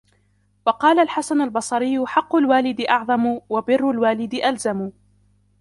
وَقَالَ الْحَسَنُ الْبَصْرِيُّ حَقُّ الْوَالِدِ أَعْظَمُ ، وَبِرُّ الْوَالِدِ أَلْزَمُ